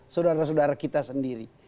saudara saudara kita sendiri